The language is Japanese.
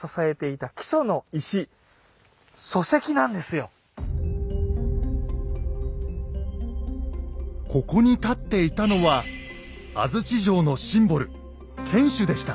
これ実はここに立っていたのは安土城のシンボル天主でした。